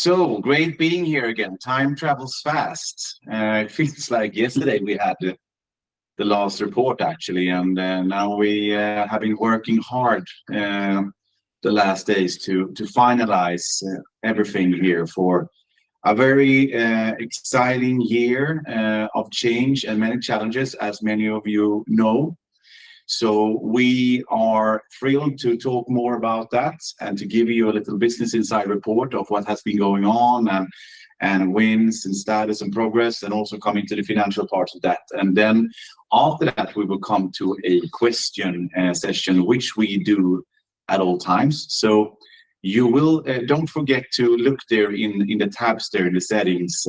So great being here again. Time travels fast. It feels like yesterday we had the last report, actually, and now we have been working hard the last days to finalize everything here for a very exciting year of change and many challenges, as many of you know. So we are thrilled to talk more about that and to give you a little business insight report of what has been going on and wins, and status, and progress, and also coming to the financial part of that. And then after that, we will come to a question session, which we do at all times. So you will don't forget to look there in the tabs there in the settings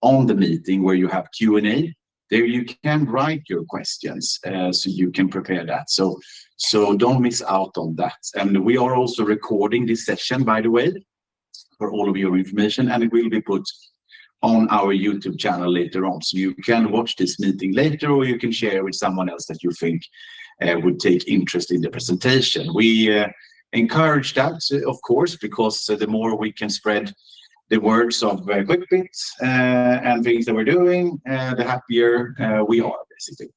on the meeting where you have Q&A. There you can write your questions, so you can prepare that. So don't miss out on that. And we are also recording this session, by the way, for all of your information, and it will be put on our YouTube channel later on. So you can watch this meeting later, or you can share with someone else that you think would take interest in the presentation. We encourage that, of course, because the more we can spread the words of Quickbit, and things that we're doing, the happier we are, basically.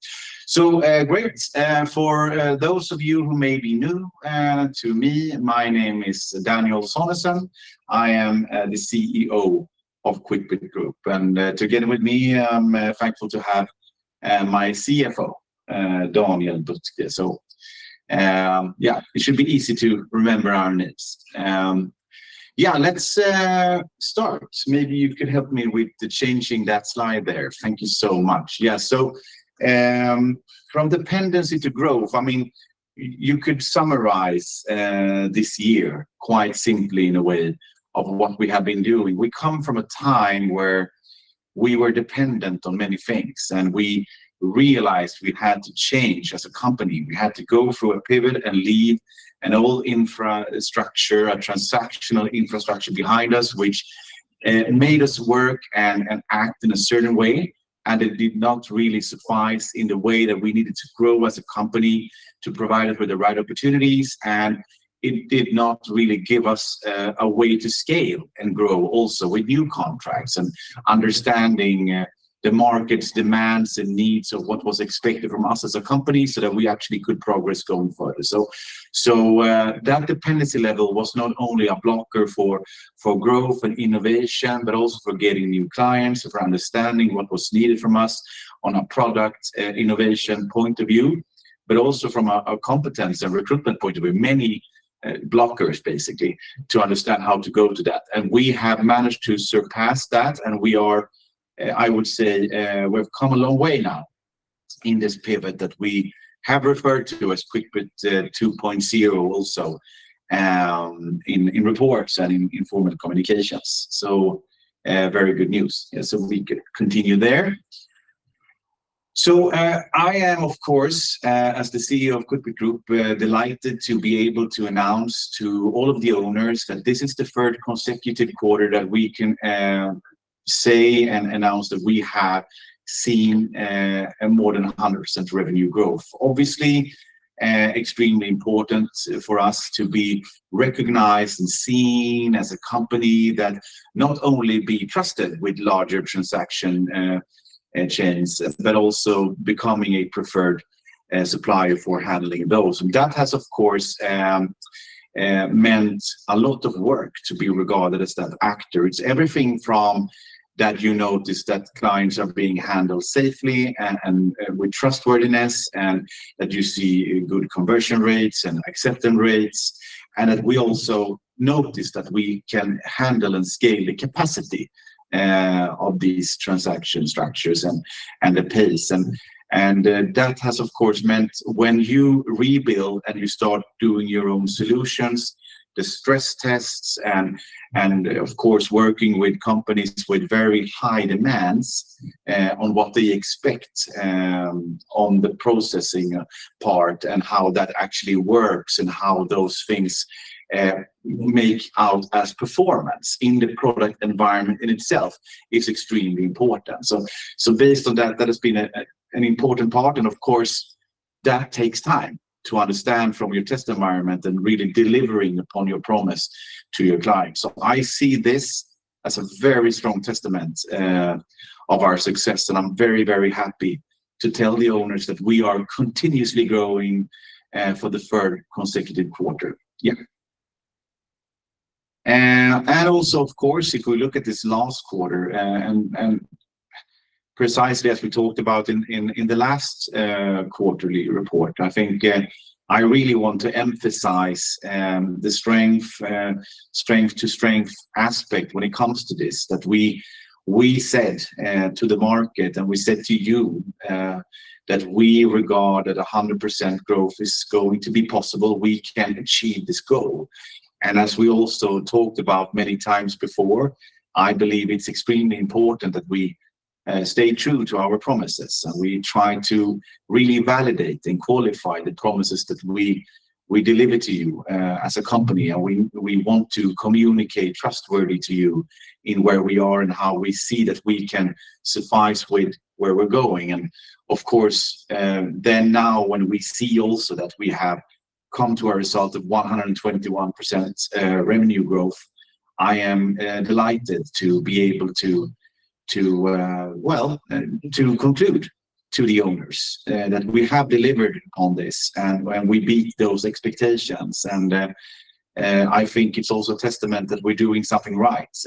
So great. For those of you who may be new to me, my name is Daniel Sonesson. I am the CEO of Quickbit Group, and together with me, I'm thankful to have my CFO, Daniel Boettge. So, yeah, it should be easy to remember our names. Yeah, let's start. Maybe you could help me with the changing that slide there. Thank you so much. Yeah, so from dependency to growth, I mean, you could summarize this year quite simply in a way of what we have been doing. We come from a time where we were dependent on many things, and we realized we had to change as a company. We had to go through a pivot and leave an old infrastructure, a transactional infrastructure behind us, which made us work and act in a certain way, and it did not really suffice in the way that we needed to grow as a company, to provide us with the right opportunities. And it did not really give us a way to scale and grow, also with new contracts, and understanding the market's demands and needs of what was expected from us as a company so that we actually could progress going further. So that dependency level was not only a blocker for growth and innovation, but also for getting new clients, for understanding what was needed from us on a product and innovation point of view, but also from a competence and recruitment point of view. Many blockers, basically, to understand how to go to that, and we have managed to surpass that, and we are. I would say we've come a long way now in this pivot that we have referred to as Quickbit 2.0 also in reports and in formal communications. So very good news. Yeah, so we can continue there. I am, of course, as the CEO of Quickbit Group, delighted to be able to announce to all of the owners that this is the third consecutive quarter that we can say and announce that we have seen a more than 100% revenue growth. Obviously, extremely important for us to be recognized and seen as a company that not only be trusted with larger transaction chains, but also becoming a preferred supplier for handling those. And that has, of course, meant a lot of work to be regarded as that actor. It's everything from that you notice that clients are being handled safely and with trustworthiness, and that you see good conversion rates and acceptance rates, and that we also notice that we can handle and scale the capacity of these transaction structures and the pace and that has, of course, meant when you rebuild and you start doing your own solutions, the stress tests, and of course, working with companies with very high demands on what they expect on the processing part, and how that actually works, and how those things make out as performance in the product environment in itself, is extremely important, so based on that, that has been an important part, and of course, that takes time to understand from your test environment and really delivering upon your promise to your clients. So I see this as a very strong testament of our success, and I'm very, very happy to tell the owners that we are continuously growing for the third consecutive quarter. Yeah. And also, of course, if we look at this last quarter, and precisely as we talked about in the last quarterly report, I think I really want to emphasize the strength-to-strength aspect when it comes to this, that we said to the market, and we said to you, that we regard that 100% growth is going to be possible. We can achieve this goal. As we also talked about many times before, I believe it's extremely important that we stay true to our promises, and we try to really validate and qualify the promises that we deliver to you as a company. We want to communicate trustworthy to you in where we are and how we see that we can suffice with where we're going. Of course, then now when we see also that we have come to a result of 121% revenue growth, I am delighted to be able to well to conclude to the owners that we have delivered on this, and we beat those expectations. I think it's also a testament that we're doing something right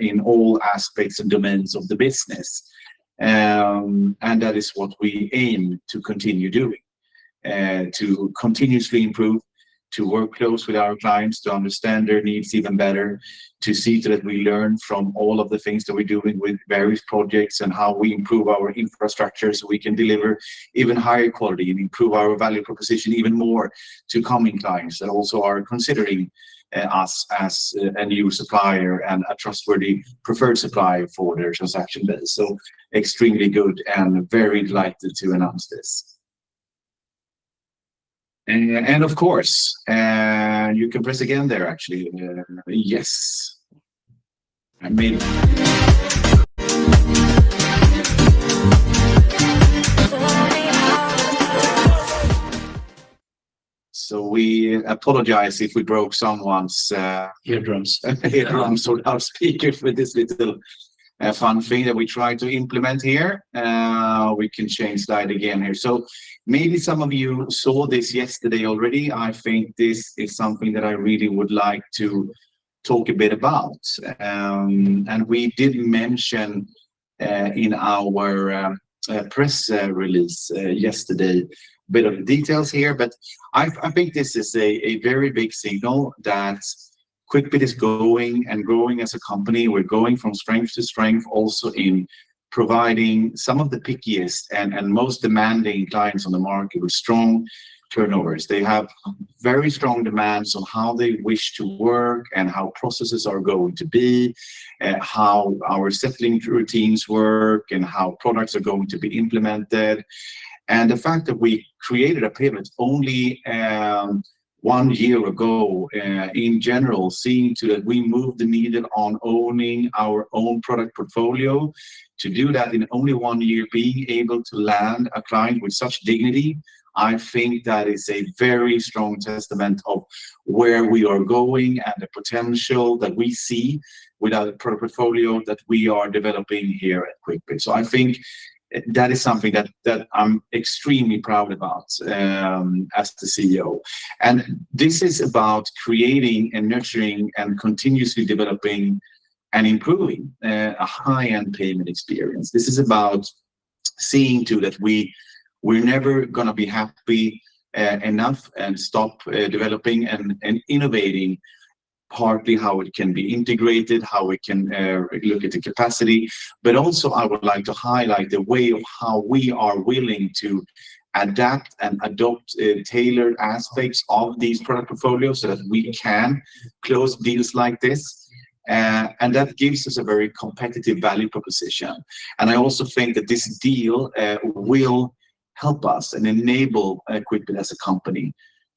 in all aspects and demands of the business. And that is what we aim to continue doing, to continuously improve, to work close with our clients, to understand their needs even better, to see that we learn from all of the things that we're doing with various projects, and how we improve our infrastructure, so we can deliver even higher quality and improve our value proposition even more to coming clients, that also are considering us as a new supplier and a trustworthy preferred supplier for their transaction business. So extremely good, and very delighted to announce this. And of course, you can press again there, actually. Yes, I mean. So we apologize if we broke someone's eardrums or our speaker for this little fun thing that we tried to implement here. We can change that again here. So maybe some of you saw this yesterday already. I think this is something that I really would like to talk a bit about. We did mention in our press release yesterday bit of the details here. I think this is a very big signal that Quickbit is growing and growing as a company. We're going from strength to strength, also in providing some of the pickiest and most demanding clients on the market with strong turnovers. They have very strong demands on how they wish to work and how processes are going to be, how our settling routines work, and how products are going to be implemented. The fact that we created a payment only one year ago in general seeing to that we moved the needle on owning our own product portfolio. To do that in only one year, being able to land a client with such dignity, I think that is a very strong testament of where we are going and the potential that we see with our product portfolio that we are developing here at Quickbit. So I think, that is something that I'm extremely proud about, as the CEO. And this is about creating and nurturing, and continuously developing, and improving, a high-end payment experience. This is about seeing to that we're never gonna be happy enough and stop developing and innovating, partly how it can be integrated, how we can look at the capacity. But also, I would like to highlight the way of how we are willing to adapt and adopt tailored aspects of these product portfolios, so that we can close deals like this. And that gives us a very competitive value proposition. And I also think that this deal will help us and enable Quickbit as a company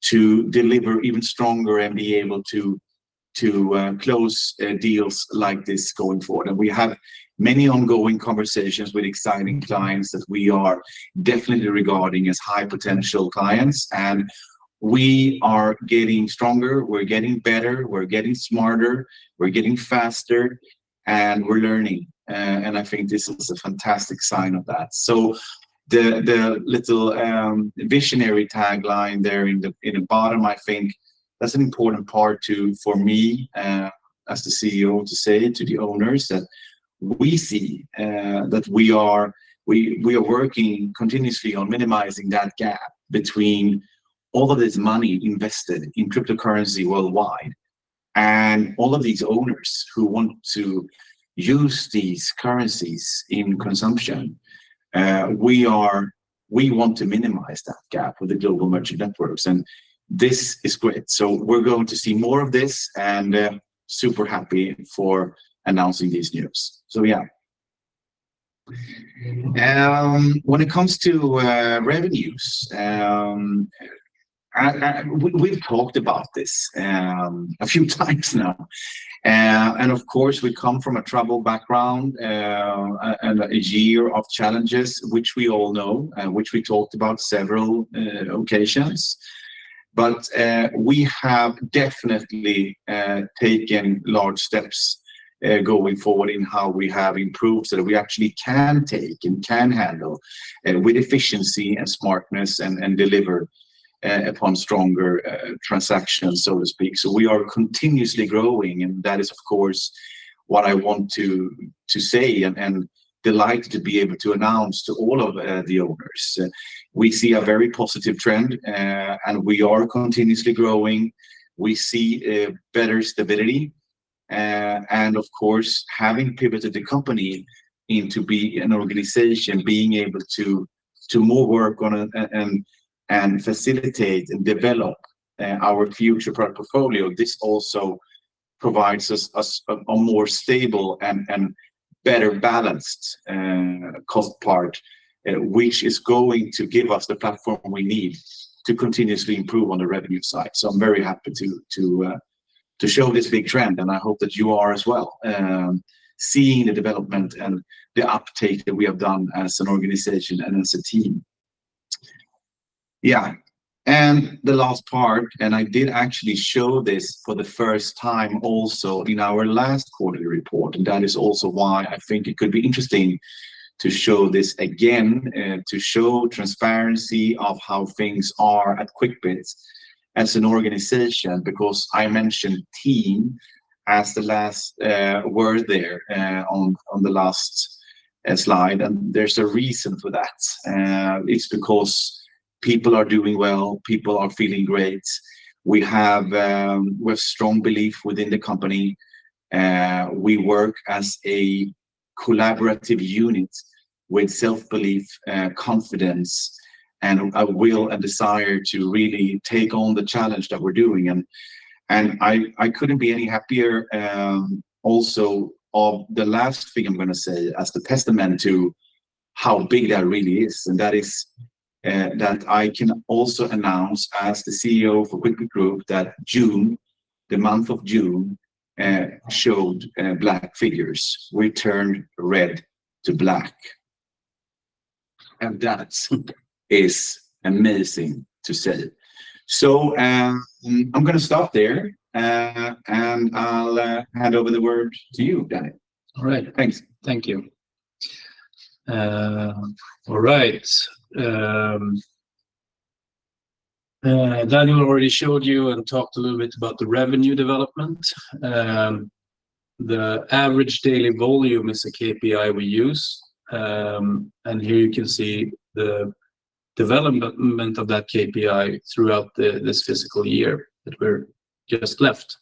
to deliver even stronger and be able to close deals like this going forward. And we have many ongoing conversations with exciting clients that we are definitely regarding as high potential clients. And we are getting stronger, we're getting better, we're getting smarter, we're getting faster, and we're learning. And I think this is a fantastic sign of that. So the little visionary tagline there in the bottom, I think that's an important part, too, for me, as the CEO, to say to the owners, that we see that we are working continuously on minimizing that gap between all of this money invested in cryptocurrency worldwide, and all of these owners who want to use these currencies in consumption. We want to minimize that gap with the global merchant networks, and this is great. So we're going to see more of this, and super happy for announcing these news. So yeah. When it comes to revenues, we've talked about this a few times now. And of course, we come from a troubled background and a year of challenges, which we all know, and which we talked about several occasions. But we have definitely taken large steps going forward in how we have improved, so that we actually can take and can handle with efficiency and smartness and deliver upon stronger transactions, so to speak. So we are continuously growing, and that is, of course, what I want to say and delighted to be able to announce to all of the owners. We see a very positive trend and we are continuously growing. We see better stability, and of course, having pivoted the company into be an organization, being able to more work on and facilitate and develop our future product portfolio, this also provides us a more stable and better balanced cost part, which is going to give us the platform we need to continuously improve on the revenue side, so I'm very happy to show this big trend, and I hope that you are as well, seeing the development and the uptake that we have done as an organization and as a team. Yeah, and the last part, and I did actually show this for the first time also in our last quarterly report, and that is also why I think it could be interesting to show this again, to show transparency of how things are at Quickbit as an organization. Because I mentioned team as the last word there, on the last slide, and there's a reason for that. It's because people are doing well, people are feeling great. We have strong belief within the company. We work as a collaborative unit with self-belief, confidence, and a will and desire to really take on the challenge that we're doing, and I couldn't be any happier. Also, the last thing I'm gonna say, as a testament to how big that really is, and that is, that I can also announce, as the CEO of Quickbit Group, that June, the month of June, showed black figures. We turned red to black, and that's super is amazing to say. So, I'm gonna stop there, and I'll hand over the word to you, Danny. All right. Thanks. Thank you. All right. Daniel already showed you and talked a little bit about the revenue development. The average daily volume is a KPI we use. And here you can see the development of that KPI throughout this fiscal year that we're just left.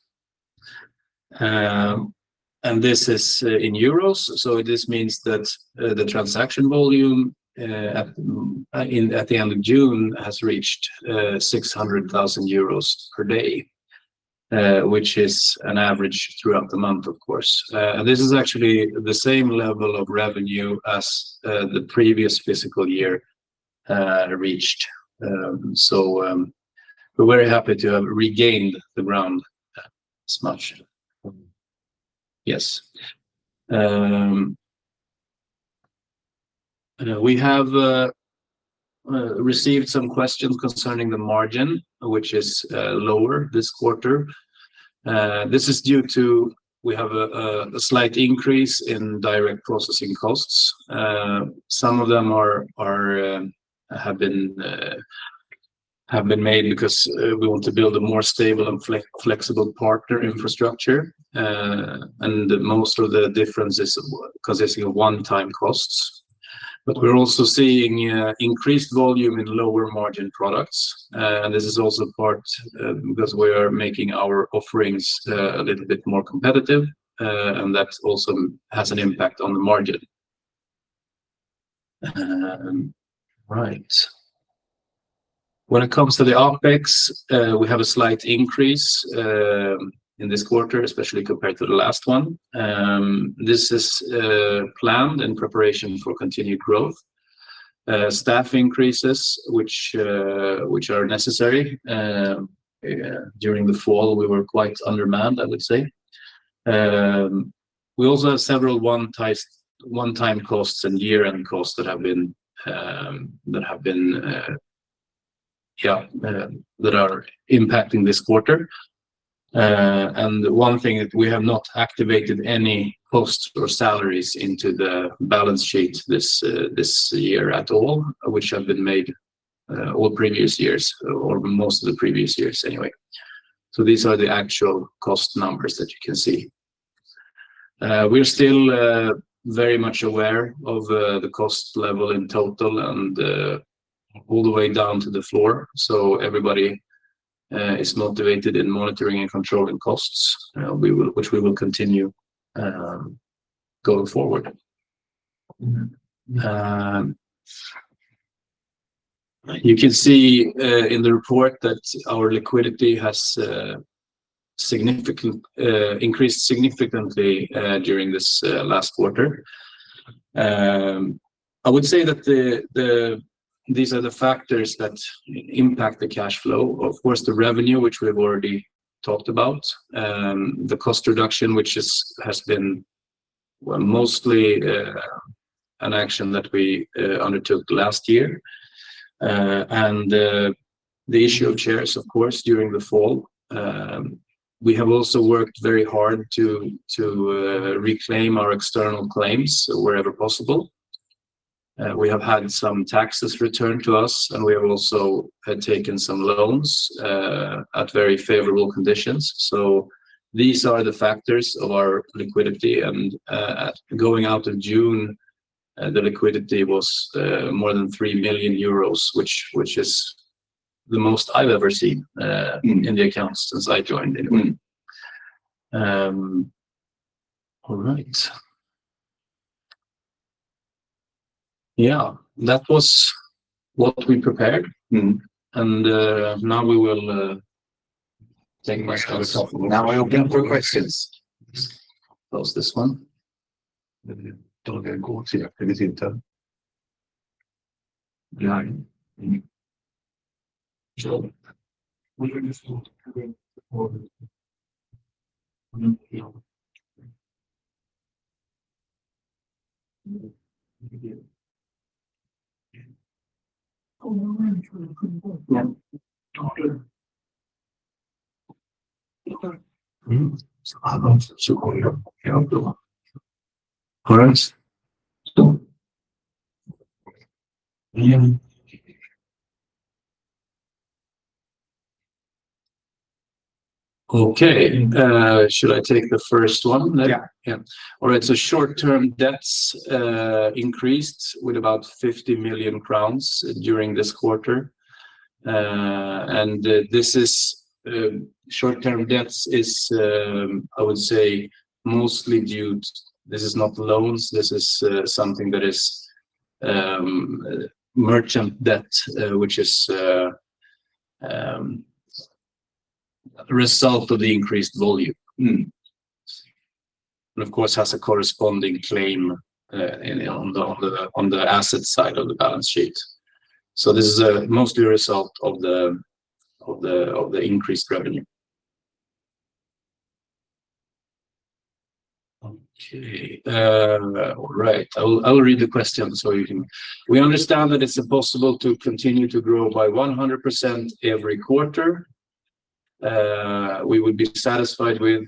And this is in euros, so this means that the transaction volume at the end of June has reached 600,000 euros per day, which is an average throughout the month, of course. And this is actually the same level of revenue as the previous fiscal year reached. So we're very happy to have regained the ground as much. Yes. We have received some questions concerning the margin, which is lower this quarter. This is due to we have a slight increase in direct processing costs. Some of them have been made because we want to build a more stable and flexible partner infrastructure, and most of the difference is consisting of one-time costs, but we're also seeing increased volume in lower-margin products, and this is also part because we are making our offerings a little bit more competitive, and that also has an impact on the margin. Right. When it comes to the OpEx, we have a slight increase in this quarter, especially compared to the last one. This is planned in preparation for continued growth. Staff increases, which are necessary. During the fall, we were quite undermanned, I would say. We also have several one-time costs and year-end costs that are impacting this quarter, and one thing that we have not activated any costs or salaries into the balance sheet this year at all, which have been made all previous years, or most of the previous years anyway. These are the actual cost numbers that you can see. We're still very much aware of the cost level in total and all the way down to the floor, so everybody is motivated in monitoring and controlling costs, which we will continue going forward. You can see in the report that our liquidity has increased significantly during this last quarter. I would say that these are the factors that impact the cash flow. Of course, the revenue, which we've already talked about, the cost reduction, which has been well mostly an action that we undertook last year, and the issue of shares, of course, during the fall. We have also worked very hard to reclaim our external claims wherever possible. We have had some taxes returned to us, and we have also had taken some loans at very favorable conditions. So these are the factors of our liquidity, and at going out of June, the liquidity was more than 3 million euros, which is the most I've ever seen in the accounts since I joined, anyway. All right. Yeah, that was what we prepared. Mm-hmm. And now we will take questions. Now we open for questions. Close this one. Maybe don't get going here. Okay, should I take the first one? Yeah. Yeah. All right, so short-term debts increased with about 50 million crowns during this quarter. And this is short-term debts is, I would say, mostly due to... This is not loans, this is something that is merchant debt, which is a result of the increased volume. And of course, has a corresponding claim on the asset side of the balance sheet. So this is mostly a result of the increased revenue. Okay, right. I'll read the question so you can... "We understand that it's impossible to continue to grow by 100% every quarter. We would be satisfied with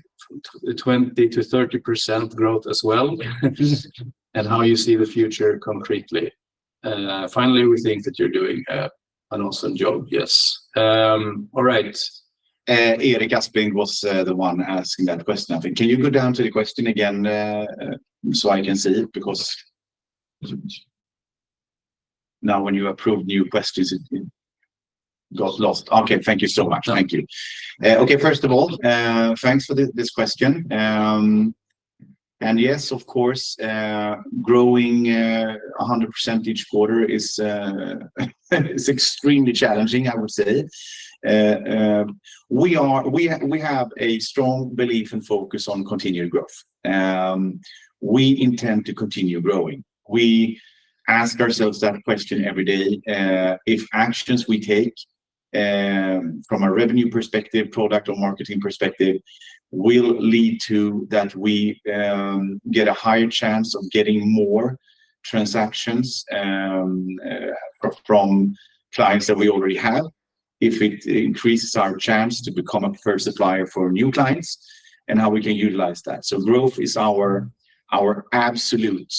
20%-30% growth as well and how you see the future concretely. Finally, we think that you're doing an awesome job." Yes. All right. Eric Asping was the one asking that question, I think. Can you go down to the question again, so I can see it? Because now when you approve new questions, it got lost. Okay, thank you so much. Yeah. Thank you. Okay, first of all, thanks for this question, and yes, of course, growing 100% each quarter is extremely challenging, I would say. We have a strong belief and focus on continued growth. We intend to continue growing. We ask ourselves that question every day, if actions we take, from a revenue perspective, product or marketing perspective, will lead to that we get a higher chance of getting more transactions, from clients that we already have, if it increases our chance to become a preferred supplier for new clients, and how we can utilize that, so growth is our absolute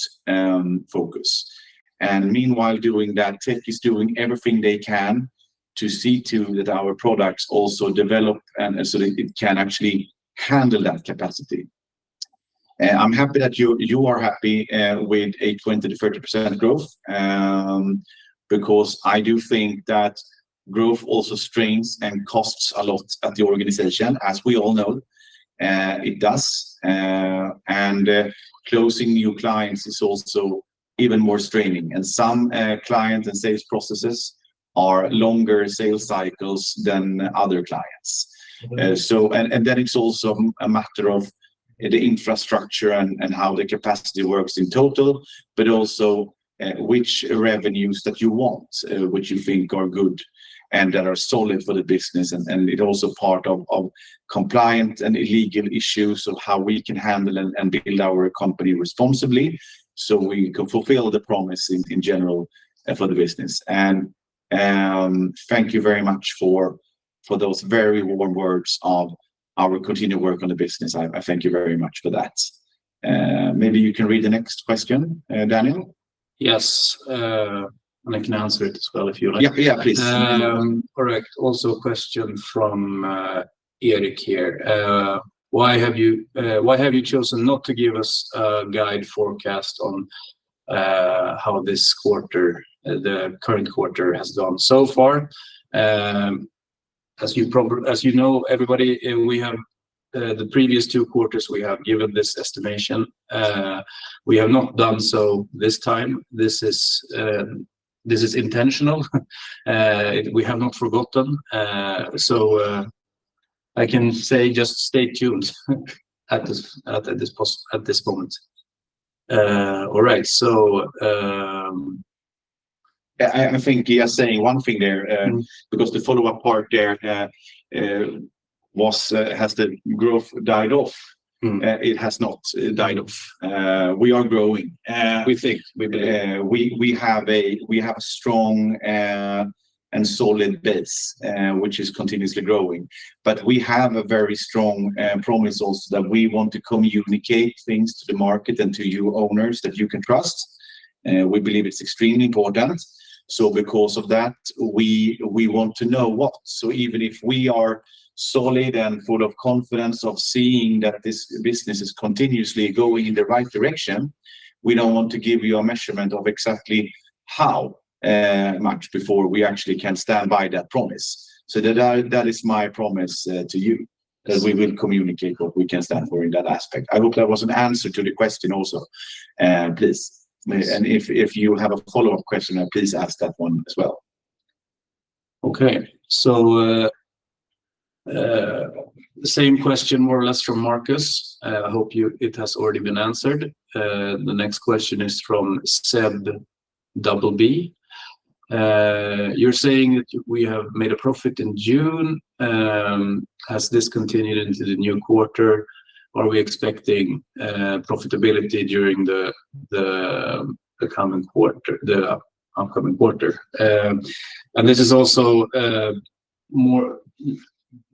focus, and meanwhile, doing that, tech is doing everything they can to see to that our products also develop, and so they can actually handle that capacity. I'm happy that you are happy with 20%-30% growth, because I do think that growth also strains and costs a lot at the organization, as we all know. It does, and closing new clients is also even more straining. Some clients and sales processes are longer sales cycles than other clients. It's also a matter of the infrastructure and how the capacity works in total, but also which revenues that you want, which you think are good, and that are solid for the business. It's also part of compliant and legal issues, of how we can handle and build our company responsibly, so we can fulfill the promise in general for the business. Thank you very much for those very warm words of our continued work on the business. I thank you very much for that. Maybe you can read the next question, Daniel? Yes. And I can answer it as well, if you like. Yeah, yeah, please. Correct, also a question from Eric here. "Why have you, why have you chosen not to give us a guide forecast on, how this quarter, the current quarter has done so far?" As you know, everybody, we have, the previous two quarters, we have given this estimation. We have not done so this time. This is intentional. We have not forgotten. So, I can say, just stay tuned at this moment. All right, so, I think you are saying one thing there because the follow-up part there, has the growth died off? Mm. It has not died off. We are growing. We think we believe. We have a strong and solid base, which is continuously growing. But we have a very strong promise also, that we want to communicate things to the market and to you owners, that you can trust. We believe it's extremely important. So because of that, we want to know what. So even if we are solid and full of confidence of seeing that this business is continuously going in the right direction, we don't want to give you a measurement of exactly how much before we actually can stand by that promise. So that is my promise to you. Yes That we will communicate what we can stand for in that aspect. I hope that was an answer to the question also. Please, and if you have a follow-up question, please ask that one as well. Okay, so, the same question more or less from Marcus. I hope it has already been answered. The next question is from Seb double B. You're saying that we have made a profit in June. Has this continued into the new quarter, or are we expecting profitability during the coming quarter, the upcoming quarter? And this is also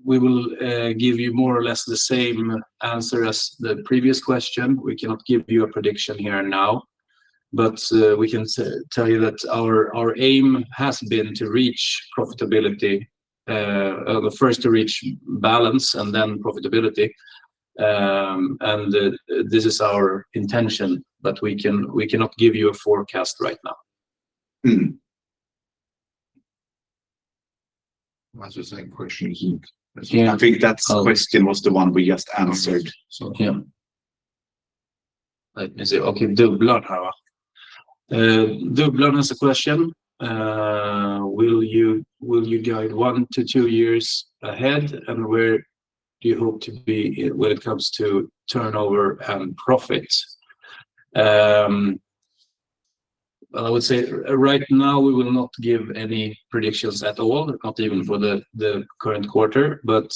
we will give you more or less the same answer as the previous question. We cannot give you a prediction here and now, but we can tell you that our aim has been to reach profitability, or first to reach balance and then profitability. And this is our intention, but we cannot give you a forecast right now. Mm. That's the same question. Yeah. I think that question was the one we just answered, so. Yeah. Let me see. Okay, Dublan however. Dublan has a question. Will you guide one to two years ahead, and where do you hope to be when it comes to turnover and profit? Well, I would say right now, we will not give any predictions at all, not even for the current quarter. But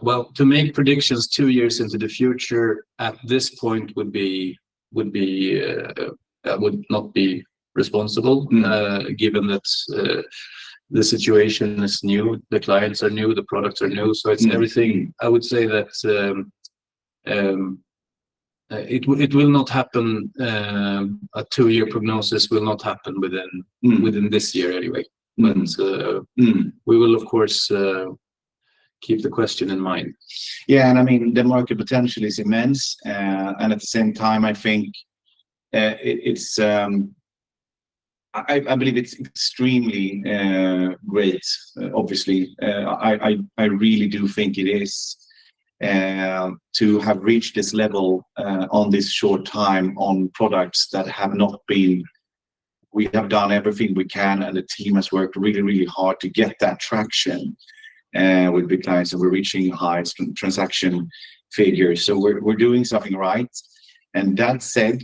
well, to make predictions two years into the future at this point would not be responsible- Mm. Given that, the situation is new, the clients are new, the products are new. Mm. So it's everything. I would say that it will not happen, a two-year prognosis will not happen within- Mm Within this year anyway. Mm. But, uh- Mm We will, of course, keep the question in mind. Yeah, and I mean, the market potential is immense. And at the same time, I think it is. I believe it's extremely great. Obviously, I really do think it is to have reached this level on this short time on products that have not been. We have done everything we can, and the team has worked really, really hard to get that traction with big clients, and we're reaching high transaction figures. So we're doing something right. And that said,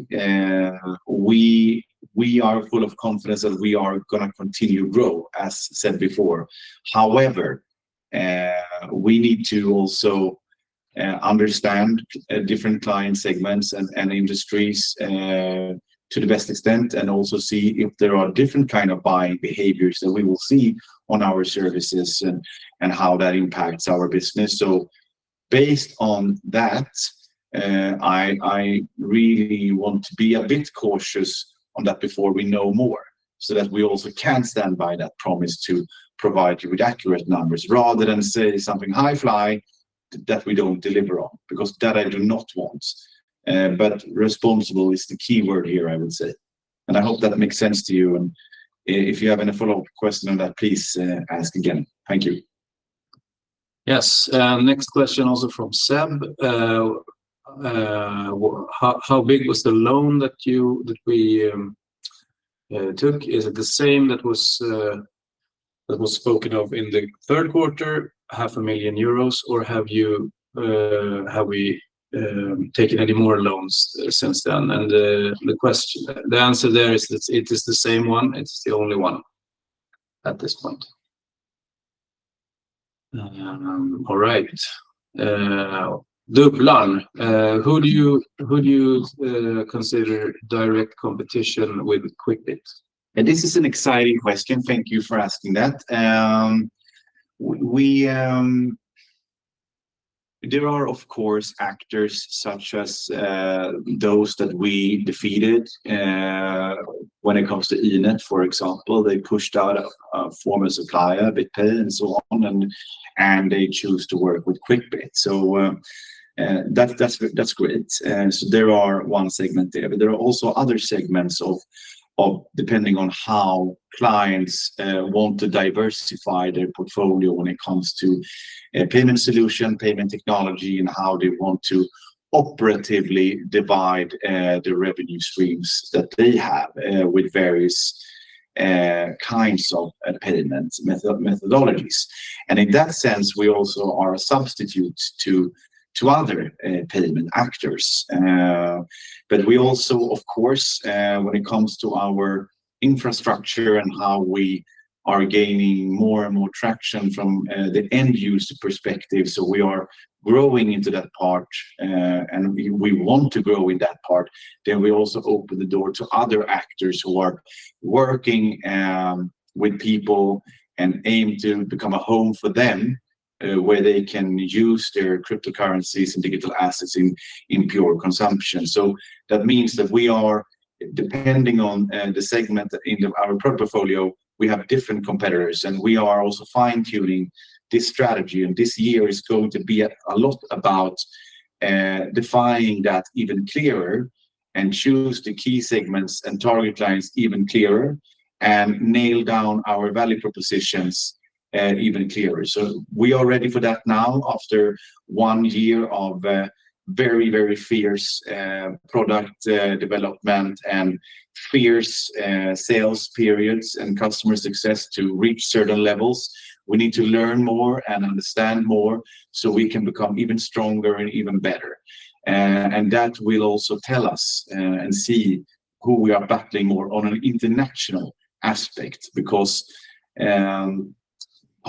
we are full of confidence that we are gonna continue to grow, as said before. However, we need to also understand different client segments and industries to the best extent, and also see if there are different kind of buying behaviors that we will see on our services and how that impacts our business. So based on that, I really want to be a bit cautious on that before we know more, so that we also can stand by that promise to provide you with accurate numbers, rather than say something high-fly that we don't deliver on, because that I do not want, but responsible is the key word here, I would say, and I hope that makes sense to you. If you have any follow-up question on that, please, ask again. Thank you. Yes, next question, also from Seb. How big was the loan that you, that we, took? Is it the same that was spoken of in the third quarter, 500,000 euros, or have you, have we, taken any more loans since then? The answer there is that it is the same one. It's the only one at this point. All right. Dublin, who do you consider direct competition with Quickbit? This is an exciting question. Thank you for asking that. There are, of course, actors such as those that we defeated. When it comes to Inet, for example, they pushed out a former supplier, BitPay, and so on, and they choose to work with Quickbit. That's great. So there are one segment there, but there are also other segments depending on how clients want to diversify their portfolio when it comes to payment solution, payment technology, and how they want to operatively divide the revenue streams that they have with various kinds of payment methodologies. In that sense, we also are a substitute to other payment actors. But we also, of course, when it comes to our infrastructure and how we are gaining more and more traction from the end-user perspective, so we are growing into that part, and we want to grow in that part, then we also open the door to other actors who are working with people and aim to become a home for them, where they can use their cryptocurrencies and digital assets in pure consumption. So that means that we are, depending on the segment in our product portfolio, we have different competitors, and we are also fine-tuning this strategy. And this year is going to be a lot about defining that even clearer and choose the key segments and target clients even clearer, and nail down our value propositions and even clearer. So we are ready for that now after one year of very, very fierce product development and fierce sales periods and customer success to reach certain levels. We need to learn more and understand more, so we can become even stronger and even better. And that will also tell us and see who we are battling more on an international aspect,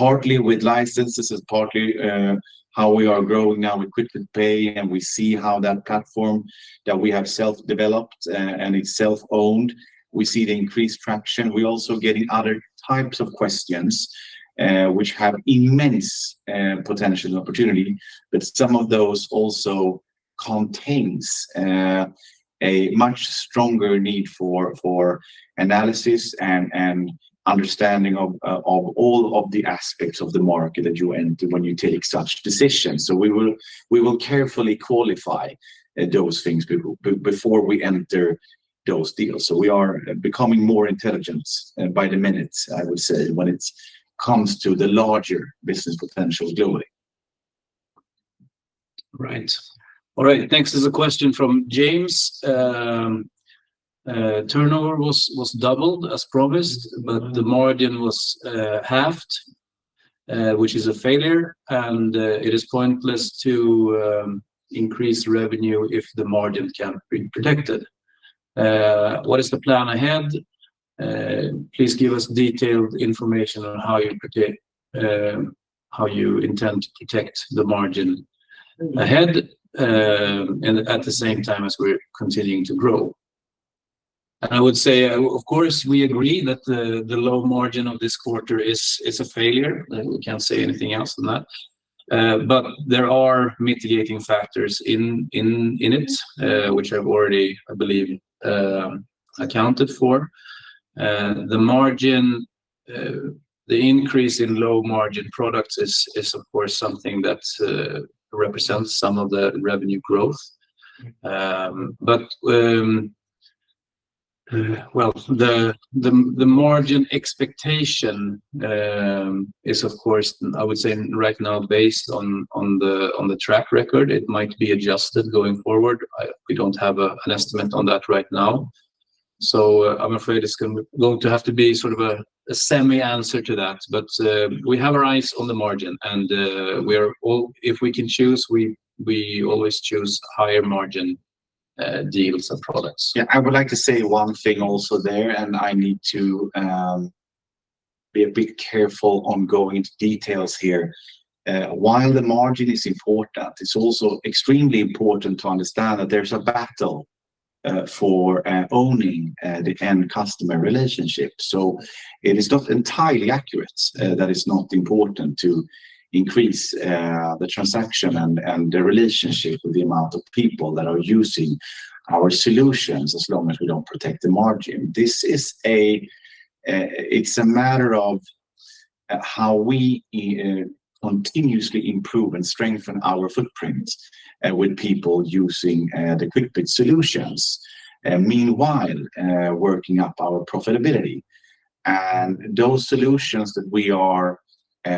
because partly with licenses and partly how we are growing now with Quickbit Pay, and we see how that platform that we have self-developed and it's self-owned, we see the increased traction. We're also getting other types of questions, which have immense potential and opportunity, but some of those also contains a much stronger need for analysis and understanding of all of the aspects of the market that you enter when you take such decisions. So we will carefully qualify those things before we enter those deals. So we are becoming more intelligent by the minute, I would say, when it comes to the larger business potential going. Right. All right, next is a question from James. "Turnover was doubled as promised, but the margin was halved, which is a failure, and it is pointless to increase revenue if the margin can't be protected. What is the plan ahead? Please give us detailed information on how you intend to protect the margin ahead, and at the same time as we're continuing to grow." I would say, of course, we agree that the low margin of this quarter is a failure. We can't say anything else than that, but there are mitigating factors in it, which I've already, I believe, accounted for. The margin, the increase in low-margin products is, of course, something that represents some of the revenue growth. But, well, the margin expectation is, of course, I would say right now based on the track record, it might be adjusted going forward. We don't have an estimate on that right now, so, I'm afraid it's going to have to be sort of a semi answer to that. But, we have our eyes on the margin, and, we are all If we can choose, we always choose higher margin deals and products. Yeah, I would like to say one thing also there, and I need to be a bit careful on going into details here. While the margin is important, it's also extremely important to understand that there's a battle for owning the end customer relationship. So it is not entirely accurate that it's not important to increase the transaction and the relationship with the amount of people that are using our solutions, as long as we don't protect the margin. It's a matter of how we continuously improve and strengthen our footprint with people using the Quickbit solutions, meanwhile working up our profitability. And those solutions that we are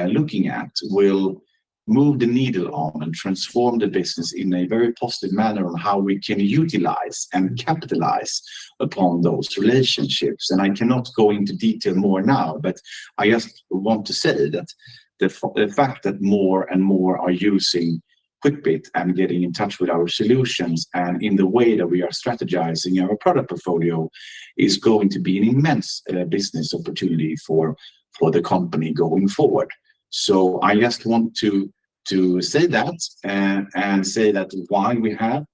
looking at will move the needle on and transform the business in a very positive manner on how we can utilize and capitalize upon those relationships. And I cannot go into detail more now, but I just want to say that the fact that more and more are using Quickbit and getting in touch with our solutions, and in the way that we are strategizing our product portfolio, is going to be an immense business opportunity for the company going forward. So I just want to say that, and say that while we have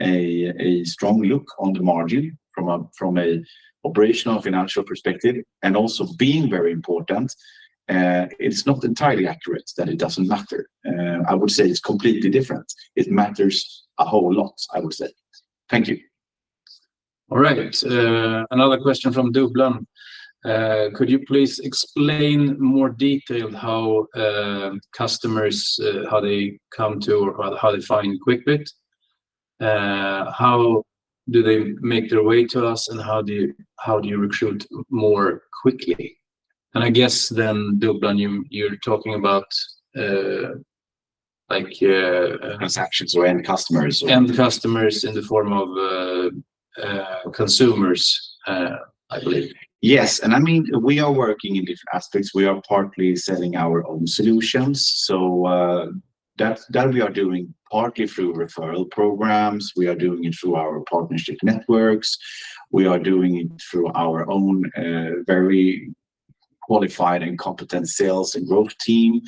a strong look on the margin from an operational financial perspective, and also being very important, it's not entirely accurate that it doesn't matter. I would say it's completely different. It matters a whole lot, I would say. Thank you. All right, another question from Dublin. "Could you please explain more detail how customers how they come to or how they find Quickbit? How do they make their way to us, and how do you recruit more quickly?" And I guess then, Dublin, you, you're talking about, like Transactions or end customers or- End customers in the form of consumers, I believe. Yes, and I mean, we are working in different aspects. We are partly selling our own solutions, so that we are doing partly through referral programs. We are doing it through our partnership networks. We are doing it through our own very qualified and competent sales and growth team.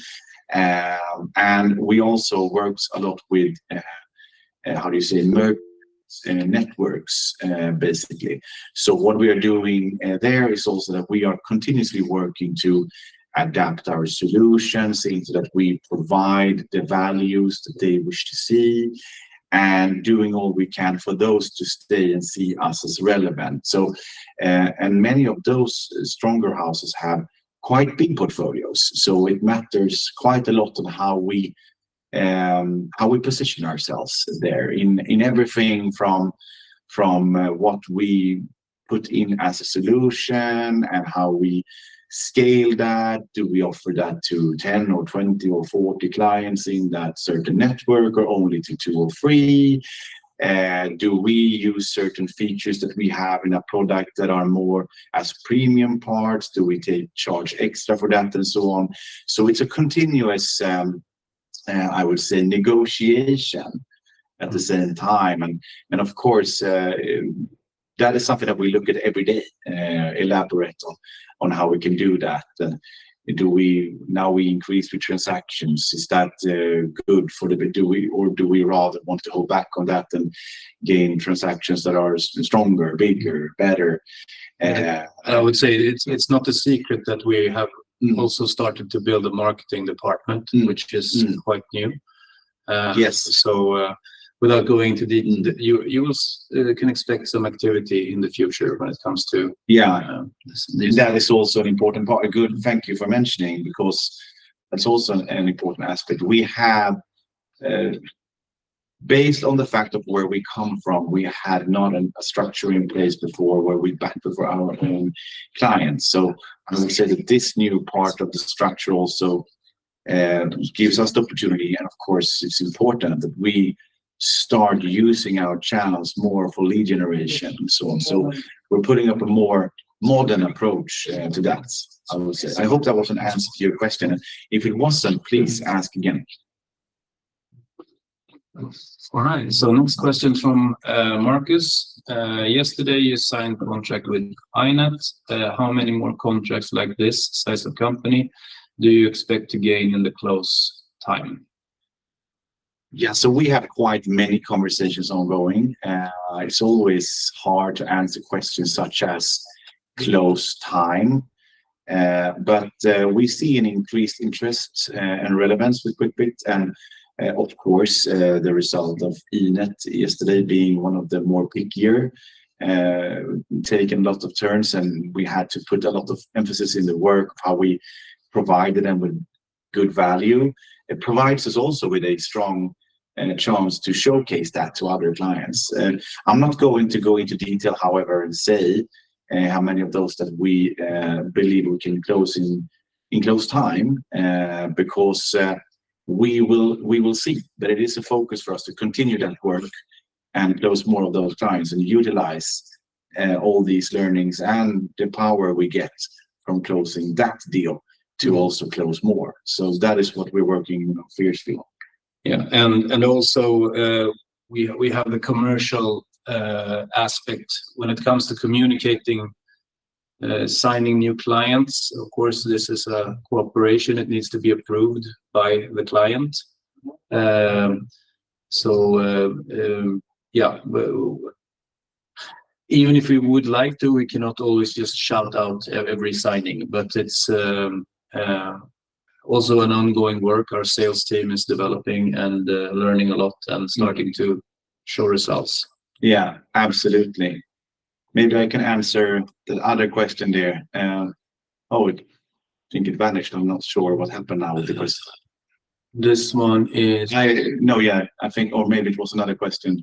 And we also works a lot with merchant networks, basically. So what we are doing there is also that we are continuously working to adapt our solutions so that we provide the values that they wish to see, and doing all we can for those to stay and see us as relevant. So, and many of those stronger houses have quite big portfolios, so it matters quite a lot on how we position ourselves there, in everything from what we... put in as a solution, and how we scale that. Do we offer that to 10 or 20 or 40 clients in that certain network, or only to two or three? Do we use certain features that we have in a product that are more as premium parts? Do we take charge extra for that, and so on? So it's a continuous, I would say, negotiation at the same time. And, of course, that is something that we look at every day, elaborate on, on how we can do that. Do we now increase the transactions? Is that good for the do we or do we rather want to hold back on that and gain transactions that are stronger, bigger, better? I would say, it's, it's not a secret that we have also started to build a marketing department which is quite new. Yes. Without going into detail, you can expect some activity in the future when it comes to- Yeah... this. That is also an important part. Good, thank you for mentioning, because that's also an important aspect. We have, based on the fact of where we come from, we had not a structure in place before where we backed off our own clients. So I would say that this new part of the structure also gives us the opportunity, and of course, it's important that we start using our channels more for lead generation and so on. So we're putting up a more modern approach to that, I would say. I hope that also answers your question. If it wasn't, please ask again. All right, so next question from Marcus. "Yesterday you signed a contract with Inet. How many more contracts like this size of company do you expect to gain in the close time? Yeah, so we have quite many conversations ongoing. It's always hard to answer questions such as close time. But we see an increased interest, and relevance with Quickbit, and of course, the result of Inet yesterday being one of the more peak year, taking lots of turns, and we had to put a lot of emphasis in the work, how we provided them with good value. It provides us also with a strong, and a chance to showcase that to other clients. I'm not going to go into detail, however, and say how many of those that we believe we can close in close time, because we will see. It is a focus for us to continue that work and close more of those clients and utilize all these learnings and the power we get from closing that deal to also close more. That is what we're working fiercely on. Yeah. And also, we have the commercial aspect when it comes to communicating signing new clients. Of course, this is a cooperation. It needs to be approved by the client. So, yeah, even if we would like to, we cannot always just shout out every signing, but it's also an ongoing work our sales team is developing and learning a lot and starting to show results. Yeah, absolutely. Maybe I can answer the other question there. Oh, I think it vanished. I'm not sure what happened now with this. This one is- No, yeah, I think, or maybe it was another question.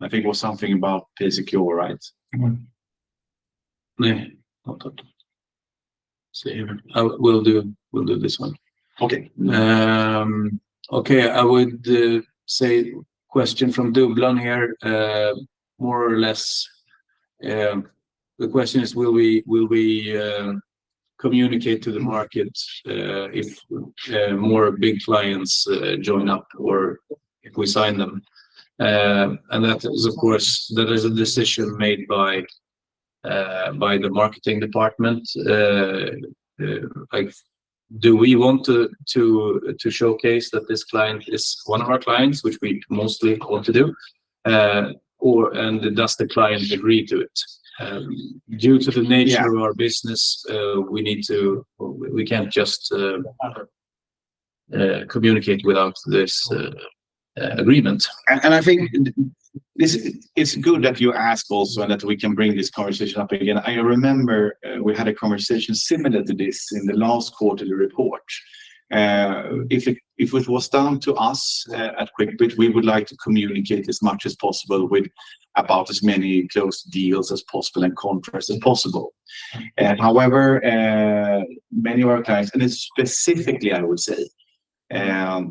I think it was something about Paysecure, right? Mm-hmm. Yeah. See here. We'll do this one. Okay. Okay, I would say question from Dublin here, more or less, the question is, will we communicate to the market if more big clients join up or if we sign them? And that is, of course, a decision made by the marketing department. Like, do we want to showcase that this client is one of our clients, which we mostly want to do? Or, and does the client agree to it? Due to the nature of our business, we need to. We can't just communicate without this agreement. And I think this, it's good that you ask also, and that we can bring this conversation up again. I remember, we had a conversation similar to this in the last quarterly report. If it was down to us at Quickbit, we would like to communicate as much as possible with about as many closed deals as possible and contracts as possible. However, many of our clients, and specifically, I would say,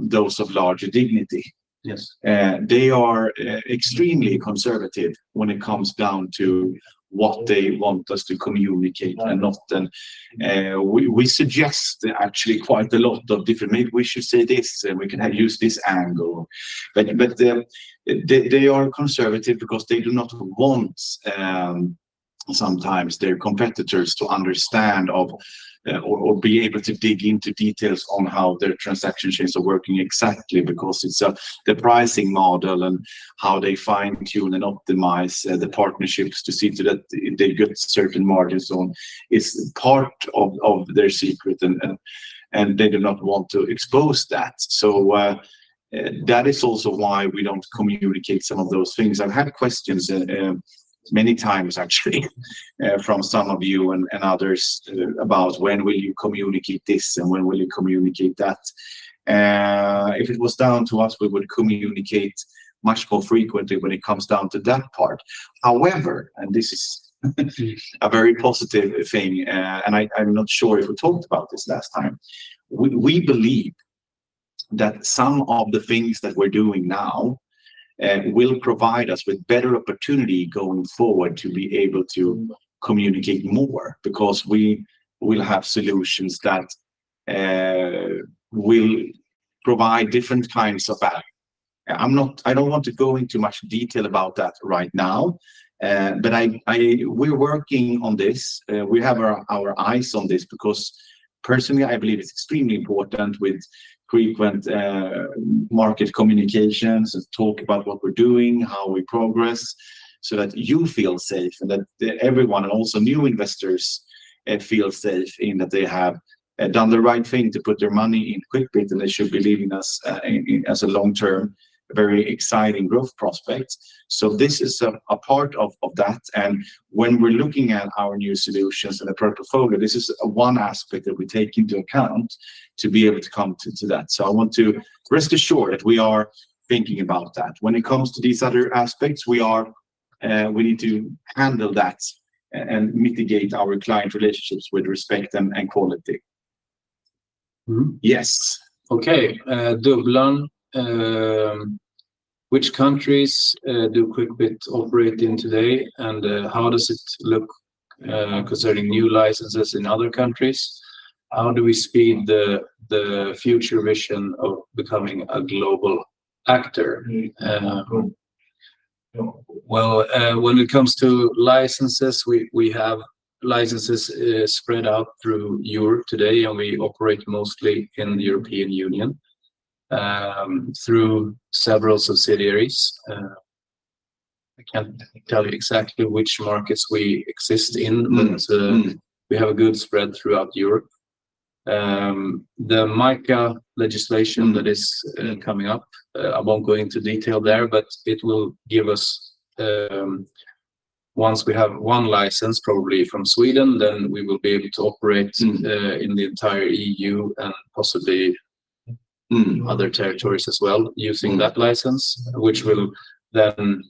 those of larger dignity. Yes They are extremely conservative when it comes down to what they want us to communicate and often, we suggest actually quite a lot of different, "Maybe we should say this, and we can use this angle." But, they are conservative because they do not want, sometimes their competitors to understand of, or be able to dig into details on how their transaction chains are working exactly. Because it's the pricing model and how they fine-tune and optimize the partnerships to see to that they get certain margins on, is part of their secret, and they do not want to expose that. So, that is also why we don't communicate some of those things. I've had questions, many times actually, from some of you and others, about, "When will you communicate this, and when will you communicate that?" If it was down to us, we would communicate much more frequently when it comes down to that part. However, and this is a very positive thing, and I'm not sure if we talked about this last time. We believe that some of the things that we're doing now will provide us with better opportunity going forward to be able to communicate more. Because we will have solutions that will provide different kinds of value. I don't want to go into much detail about that right now, but... We're working on this. We have our eyes on this, because personally, I believe it's extremely important with frequent market communications, and talk about what we're doing, how we progress, so that you feel safe, and that everyone, and also new investors feel safe in that they have done the right thing to put their money in Quickbit, and they should believe in us as a long-term, very exciting growth prospect. So this is a part of that, and when we're looking at our new solutions and the product portfolio, this is one aspect that we take into account to be able to come to that. So I want to rest assured that we are thinking about that. When it comes to these other aspects, we are, we need to handle that, and mitigate our client relationships with respect and, and quality. Mm-hmm. Yes. Okay, Dublin, which countries do Quickbit operate in today, and how does it look concerning new licenses in other countries? How do we speed the future vision of becoming a global actor? Mm-hmm. When it comes to licenses, we have licenses spread out through Europe today, and we operate mostly in the European Union through several subsidiaries. I can't tell you exactly which markets we exist in. Mm, mm But we have a good spread throughout Europe. The MiCA legislation that is, coming up, I won't go into detail there, but it will give us, once we have one license, probably from Sweden, then we will be able to operate in the entire EU, and possibly other territories as well, using that license. Which will then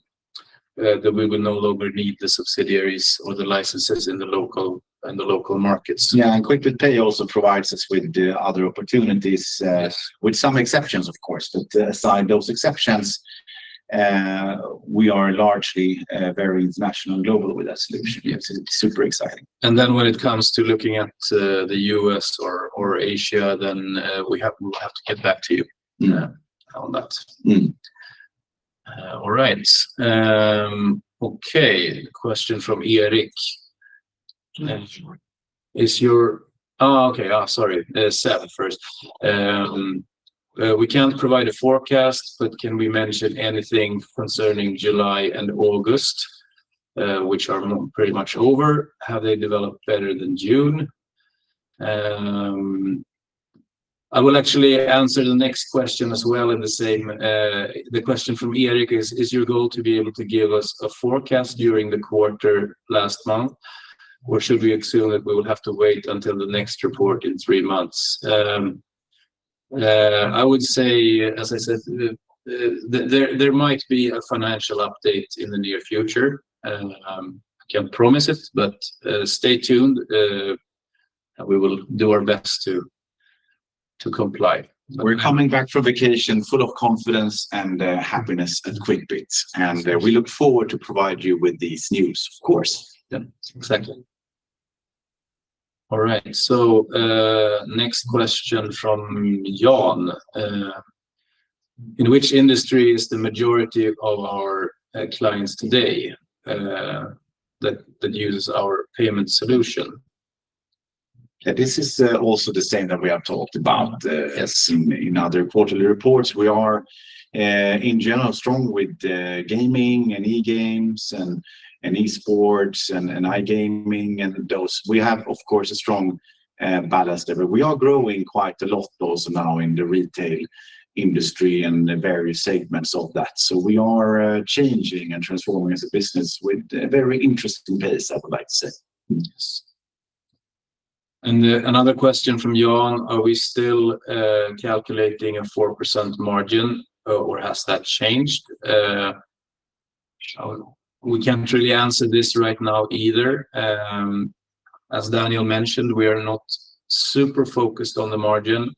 that we will no longer need the subsidiaries or the licenses in the local markets. Yeah, and Quickbit Pay also provides us with the other opportunities, with some exceptions, of course. But, aside those exceptions, we are largely, very international and global with that solution. Yes. It's super exciting. And then when it comes to looking at the U.S. or Asia, then we'll have to get back to you- Yeah... on that. Mm. All right. Okay, question from Eric: Yeah. Oh, okay. Sorry, Seth first. We can't provide a forecast, but can we mention anything concerning July and August, which are pretty much over? Have they developed better than June? I will actually answer the next question as well in the same. The question from Eric is: "Is your goal to be able to give us a forecast during the quarter last month, or should we assume that we will have to wait until the next report in three months?" I would say, as I said, there might be a financial update in the near future. I can't promise it, but stay tuned, and we will do our best to comply. We're coming back from vacation full of confidence and happiness at Quickbit. We look forward to provide you with these news, of course. Yeah, exactly. All right, so, next question from Jan: "In which industry is the majority of our clients today, that uses our payment solution? Yeah, this is also the same that we have talked about in other quarterly reports. We are in general strong with gaming, and e-games, and e-sports, and iGaming, and those. We have, of course, a strong balance there, but we are growing quite a lot also now in the retail industry, and the various segments of that. So we are changing and transforming as a business with a very interesting pace, I would like to say. Yes. And, another question from Jan: "Are we still calculating a 4% margin, or has that changed? We can't really answer this right now, either. As Daniel mentioned, we are not super focused on the margin.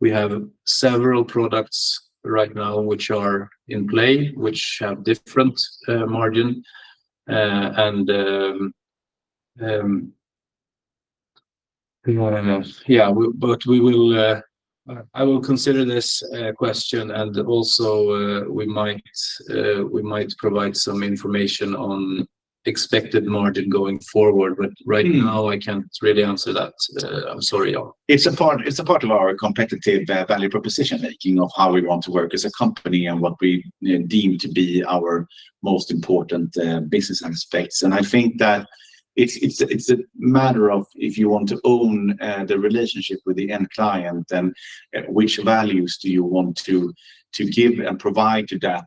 We have several products right now which are in play, which have different margin. And yeah, I know. Yeah, but we will. I will consider this question, and also, we might provide some information on expected margin going forward. But right now, I can't really answer that. I'm sorry, Jan. It's a part of our competitive value proposition making of how we want to work as a company, and what we deem to be our most important business aspects. I think that it's a matter of if you want to own the relationship with the end client, then which values do you want to give and provide to that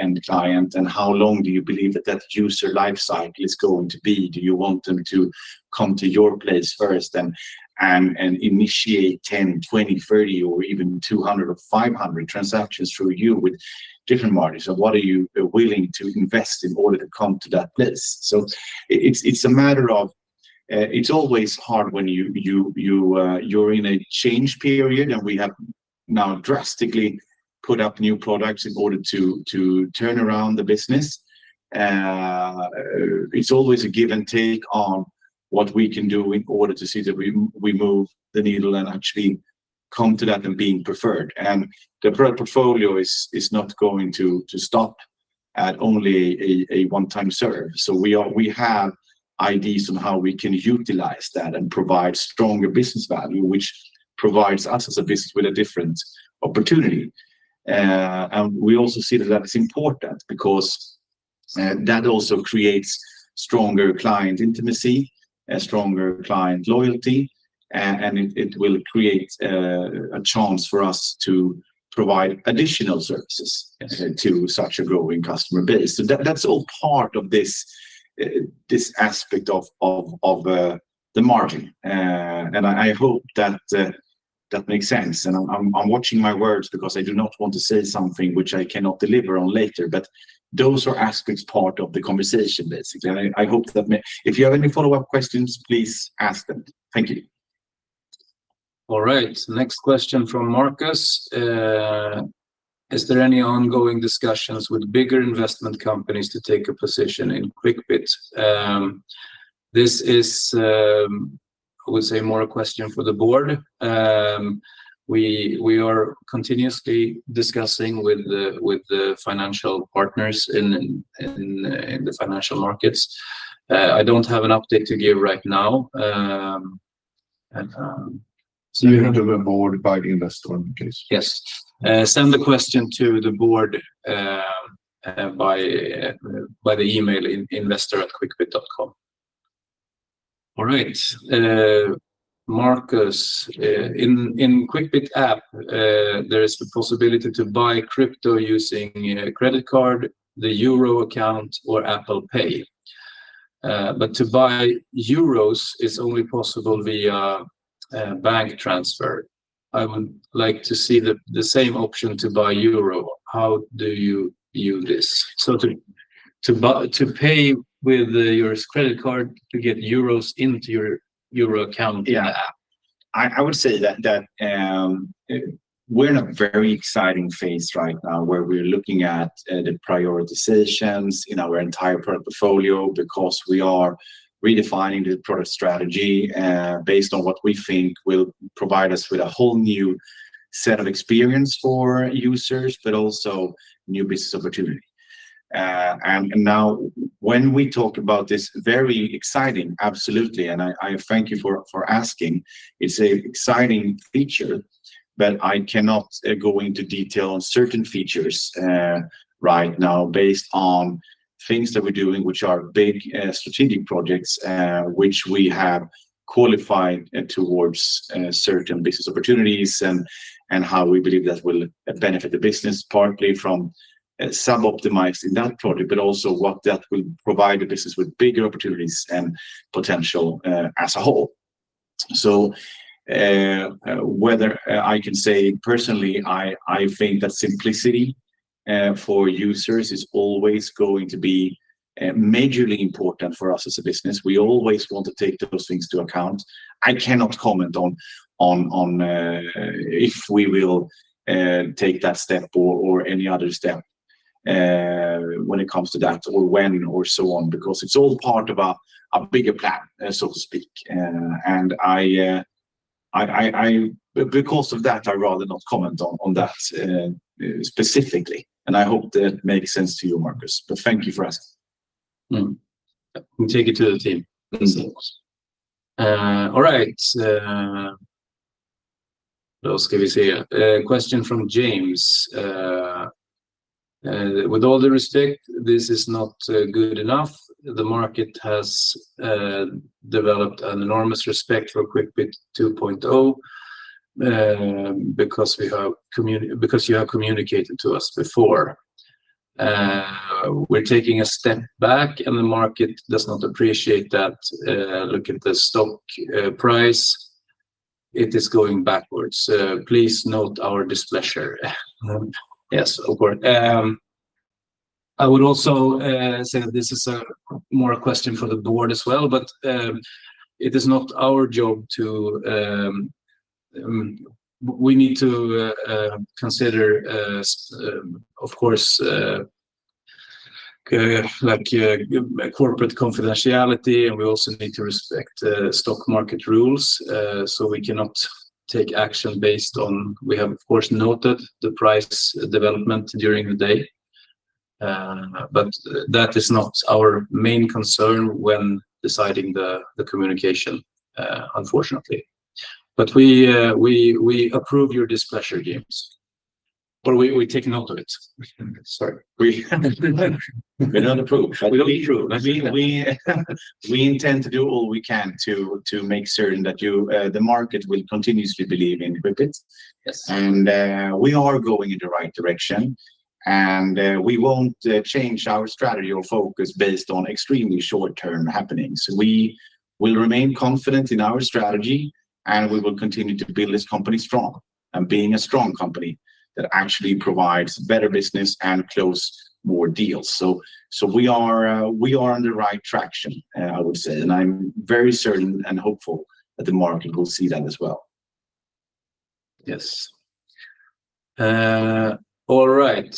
end client. And how long do you believe that user life cycle is going to be. Do you want them to come to your place first, and initiate 10, 20, 30, or even 200 or 500 transactions through you with different margins. So what are you willing to invest in order to come to that place. It's a matter of. It's always hard when you're in a change period, and we have now drastically put up new products in order to turn around the business. It's always a give and take on what we can do in order to see that we move the needle and actually come to that and being preferred. The product portfolio is not going to stop at only a one-time serve. We have ideas on how we can utilize that and provide stronger business value, which provides us as a business with a different opportunity. We also see that is important, because that also creates stronger client intimacy and stronger client loyalty, and it will create a chance for us to provide additional services. To such a growing customer base, so that that's all part of this, this aspect of the margin, and I hope that that makes sense, and I'm watching my words, because I do not want to say something which I cannot deliver on later, but those are aspects, part of the conversation, basically, and I hope that if you have any follow-up questions, please ask them. Thank you. All right, next question from Marcus. "Is there any ongoing discussions with bigger investment companies to take a position in Quickbit?" This is, I would say more a question for the board. We are continuously discussing with the financial partners in the financial markets. I don't have an update to give right now. You have to onboard by the investor in case. Yes. Send the question to the board by the email investor@quickbit.com. All right, Marcus: "In Quickbit App, there is the possibility to buy crypto using, you know, a credit card, the euro account, or Apple Pay. But to buy euros is only possible via a bank transfer. I would like to see the same option to buy euro. How do you view this?" So to buy - to pay with your credit card to get euros into your euro account- Yeah... in the app. I would say that we're in a very exciting phase right now, where we're looking at the prioritizations in our entire product portfolio, because we are redefining the product strategy based on what we think will provide us with a whole new set of experience for users, but also new business opportunity. And now, when we talk about this, very exciting, absolutely, and I thank you for asking. It's a exciting feature, but I cannot go into detail on certain features right now, based on things that we're doing, which are big strategic projects, which we have qualified towards certain business opportunities, and how we believe that will benefit the business, partly from sub-optimizing that product, but also what that will provide the business with bigger opportunities and potential as a whole. So, whether I can say personally, I think that simplicity for users is always going to be majorly important for us as a business. We always want to take those things to account. I cannot comment on if we will take that step or any other step when it comes to that or when or so on, because it's all part of a bigger plan, so to speak. Because of that, I rather not comment on that specifically, and I hope that makes sense to you, Marcus. But thank you for asking. Mm, we take it to the team. Yes. All right. What else can we see here? A question from James. "With all due respect, this is not good enough. The market has developed an enormous respect for Quickbit 2.0, because we have commun- because you have communicated to us before. We're taking a step back, and the market does not appreciate that. Look at the stock price. It is going backwards. Please note our displeasure." Yes, of course. I would also say that this is more a question for the board as well, but it is not our job to... We need to consider, of course, like corporate confidentiality, and we also need to respect stock market rules. So we cannot take action based on. We have, of course, noted the price development during the day, but that is not our main concern when deciding the communication, unfortunately. We approve your displeasure, James... We take note of it. Sorry, we- We don't approve. We don't approve. We intend to do all we can to make certain that the market will continuously believe in Quickbit. Yes. We are going in the right direction, and we won't change our strategy or focus based on extremely short-term happenings. We will remain confident in our strategy, and we will continue to build this company strong, and being a strong company that actually provides better business and close more deals. So we are on the right traction, I would say, and I'm very certain and hopeful that the market will see that as well. Yes. All right,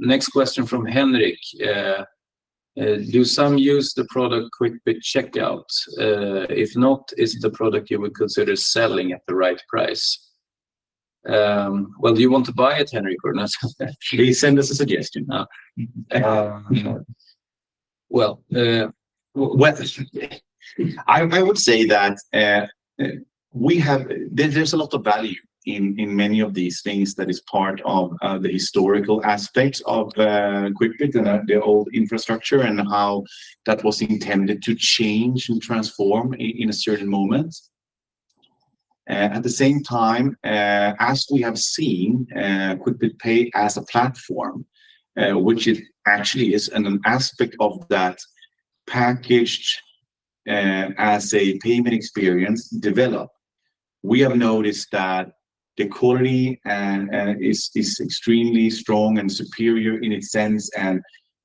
next question from Henrik: "Do some use the product Quickbit Checkout? If not, is it the product you would consider selling at the right price?" Well, do you want to buy it, Henrik, or not? Please send us a suggestion. Um, well. I would say that we have... There's a lot of value in many of these things that is part of the historical aspects of Quickbit and the old infrastructure and how that was intended to change and transform in a certain moment. At the same time, as we have seen, Quickbit Pay as a platform, which it actually is an aspect of that packaged, as a payment experience, develop. We have noticed that the quality is extremely strong and superior in its sense,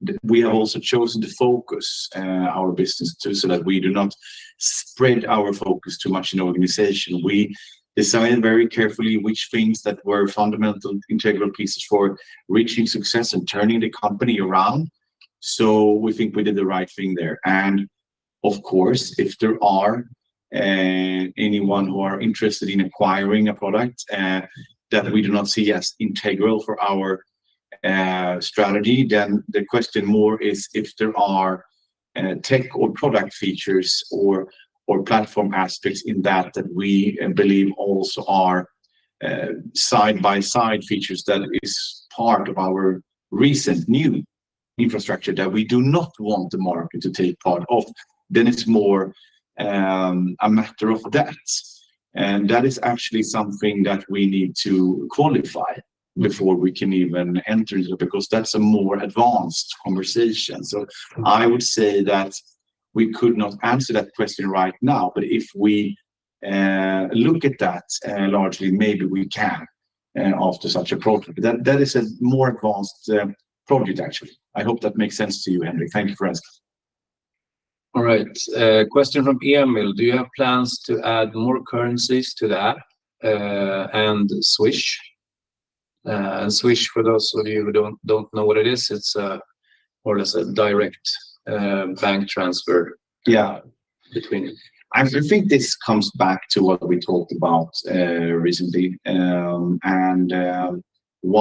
and we have also chosen to focus our business, too, so that we do not spread our focus too much in the organization. We decided very carefully which things that were fundamental, integral pieces for reaching success and turning the company around, so we think we did the right thing there, and of course, if there are anyone who are interested in acquiring a product that we do not see as integral for our strategy, then the question more is if there are tech or product features or platform aspects in that that we believe also are side-by-side features that is part of our recent new infrastructure that we do not want the market to take part of, then it's more a matter of that, and that is actually something that we need to qualify before we can even enter into, because that's a more advanced conversation. So I would say that we could not answer that question right now, but if we look at that largely, maybe we can offer such a product. But that, that is a more advanced product, actually. I hope that makes sense to you, Henrik. Thank you for asking. All right, a question from Emil: "Do you have plans to add more currencies to the app, and Swish?" And Swish, for those of you who don't know what it is, it's, well, it's a direct bank transfer. Yeah Between it. I think this comes back to what we talked about, recently.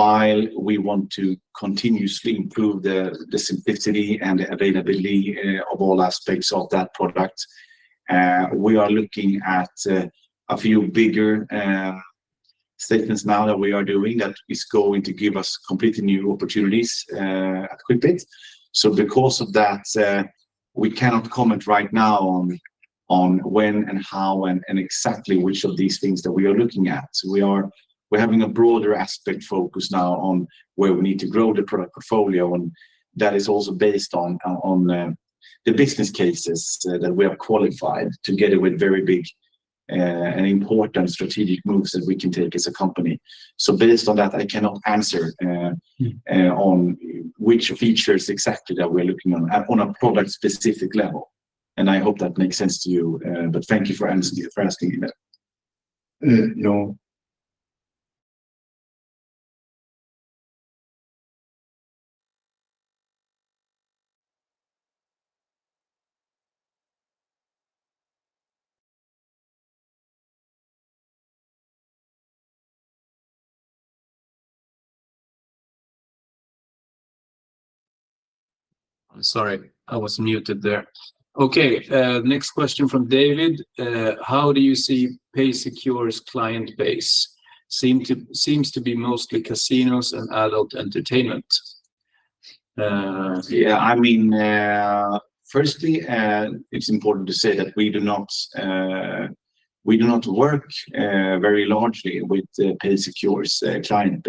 While we want to continuously improve the simplicity and the availability of all aspects of that product, we are looking at a few bigger statements now that we are doing that is going to give us completely new opportunities at Quickbit. So because of that, we cannot comment right now on when and how and exactly which of these things that we are looking at. So we're having a broader aspect focus now on where we need to grow the product portfolio, and that is also based on the business cases that we have qualified, together with very big and important strategic moves that we can take as a company. So based on that, I cannot answer on which features exactly that we're looking on a product-specific level, and I hope that makes sense to you. But thank you for asking me that. No. I'm sorry, I was muted there. Okay, next question from David: "How do you see Paysecure's client base? Seems to be mostly casinos and adult entertainment. Yeah, I mean, firstly, it's important to say that we do not work very largely with Paysecure's client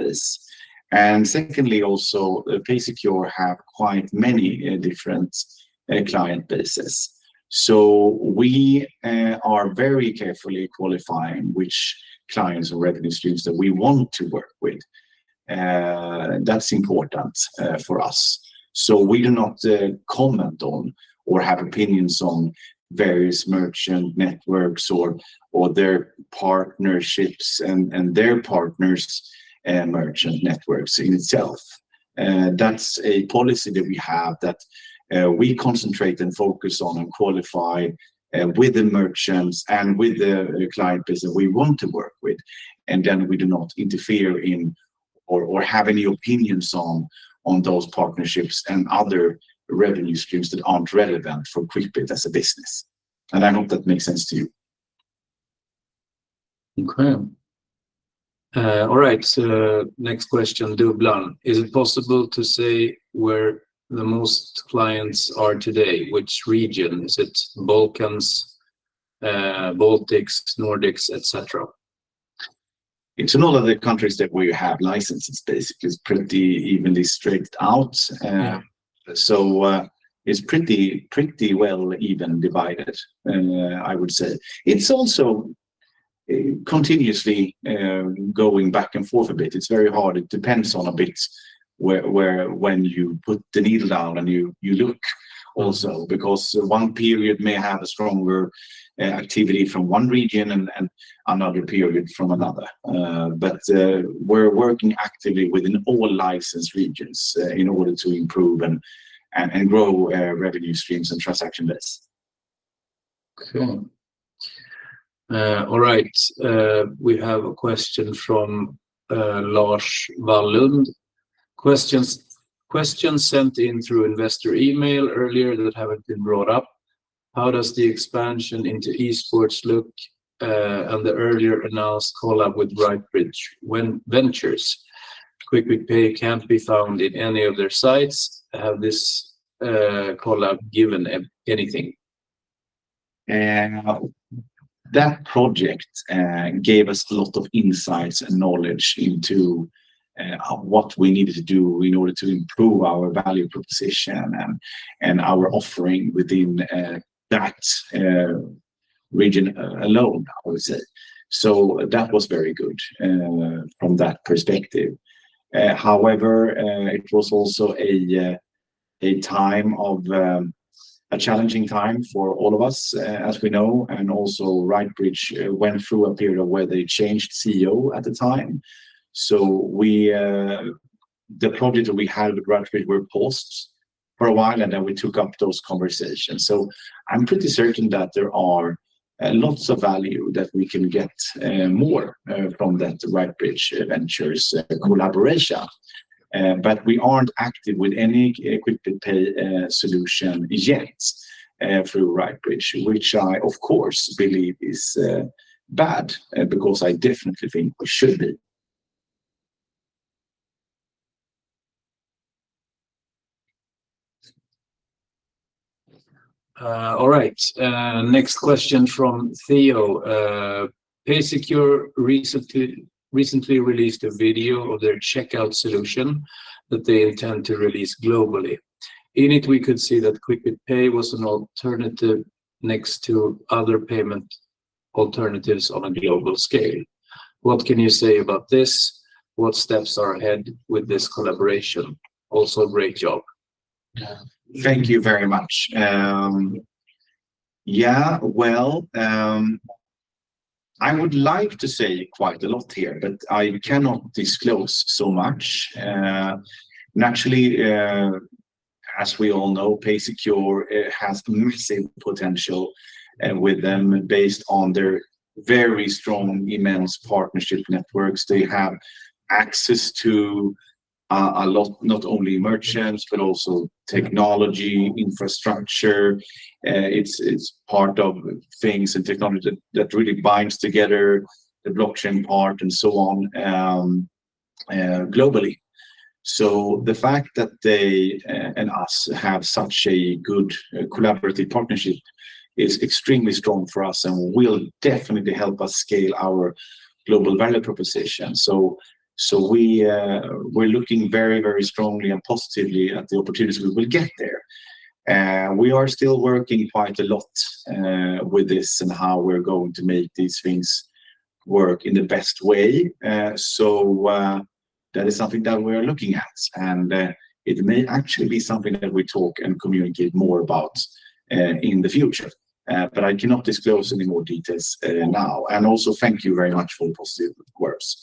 base, and secondly, also, Paysecure have quite many different client bases, so we are very carefully qualifying which clients and revenue streams that we want to work with. That's important for us, so we do not comment on or have opinions on various merchant networks or their partnerships and their partners' merchant networks in itself. That's a policy that we have, that we concentrate and focus on and qualify with the merchants and with the client base that we want to work with, and then we do not interfere in or have any opinions on those partnerships and other revenue streams that aren't relevant for Quickbit as a business, and I hope that makes sense to you. Okay. All right, so next question, Dublin. Is it possible to say where the most clients are today? Which region? Is it Balkans, Baltics, Nordics, et cetera? It's in all of the countries that we have licenses, basically. It's pretty evenly spread out. Yeah. So, it's pretty well even divided, I would say. It's also continuously going back and forth a bit. It's very hard. It depends on a bit where, when you put the needle down and you look also, because one period may have a stronger activity from one region and another period from another. But we're working actively within all licensed regions in order to improve and grow revenue streams and transaction lists. Cool. All right. We have a question from Lars Vallund. Questions sent in through investor email earlier that haven't been brought up. How does the expansion into Esports look on the earlier announced collab with RightBridge Ventures? Quickbit Pay can't be found in any of their sites. Has this collab given them anything? That project gave us a lot of insights and knowledge into what we needed to do in order to improve our value proposition and our offering within that region alone, I would say. So that was very good from that perspective. However, it was also a challenging time for all of us, as we know, and also RightBridge went through a period of where they changed CEO at the time. So the project that we had with RightBridge were paused for a while, and then we took up those conversations. So I'm pretty certain that there are lots of value that we can get more from that RightBridge Ventures collaboration. But we aren't active with any Quickbit Pay solution yet through RightBridge, which I, of course, believe is bad, because I definitely think we should be. All right. Next question from Theo. Paysecure recently released a video of their checkout solution that they intend to release globally. In it, we could see that Quickbit Pay was an alternative next to other payment alternatives on a global scale. What can you say about this? What steps are ahead with this collaboration? Also, great job. Thank you very much. Yeah, well, I would like to say quite a lot here, but I cannot disclose so much. Naturally, as we all know, Paysecure has massive potential with them, based on their very strong, immense partnership networks. They have access to a lot, not only merchants, but also technology, infrastructure. It's part of things and technology that really binds together the blockchain part and so on, globally. So the fact that they and us have such a good collaborative partnership is extremely strong for us and will definitely help us scale our global value proposition. So we're looking very, very strongly and positively at the opportunities we will get there. We are still working quite a lot with this and how we're going to make these things work in the best way, so that is something that we're looking at, and it may actually be something that we talk and communicate more about in the future, but I cannot disclose any more details now, and also, thank you very much for the positive words.